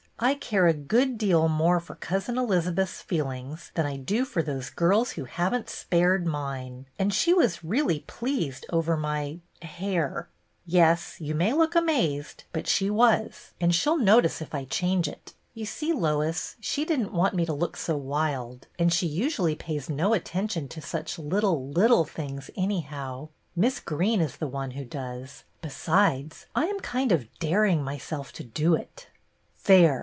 I care a good deal more for Cousin Elizabeth's feelings than I do for those girls who have n't spared mine ; and she was really pleased over my — hair. Yes, you may look amazed, but she was, and HER FIRST RECEPTION 105 she 'll notice if I change it. You see, Lois, she did n't want me to look so wild, and she usually pays no attention to such little. Utile things, anyhow. Miss Greene is the one who does. Besides, I am kind of daring myself to do it." " There